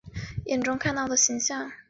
眼中看到的形象